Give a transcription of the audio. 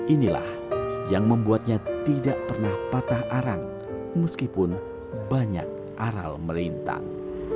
inilah yang membuatnya tidak pernah patah arang meskipun banyak aral merintang